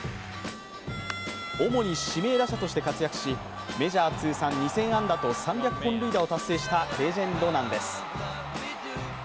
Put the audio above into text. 主に指名打者として活躍しメジャー通算２０００安打と３００本塁打を達成したレジェンドなんです。